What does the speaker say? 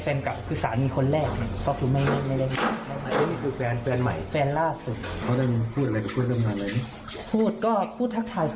เฟนทรงร่วมปกติก็ไม่ได้คิดอะไร